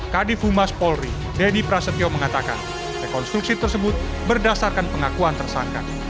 kadif humas polri denny prasetyo mengatakan rekonstruksi tersebut berdasarkan pengakuan tersangka